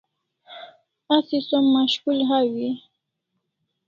Asi som mashkul hawi e ?